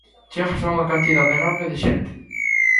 Chegas a unha cantidade enorme de xente.